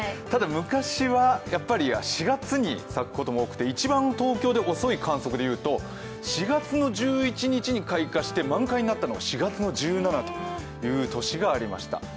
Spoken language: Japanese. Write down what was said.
ただ昔は４月に咲くことも多くて一番東京で遅い観測でいうと４月１１日に開花して満開になったのが４月の１７という年がありました。